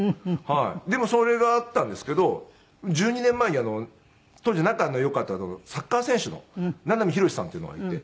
でもそれがあったんですけど１２年前に当時仲のよかったサッカー選手の名波浩さんっていうのがいて。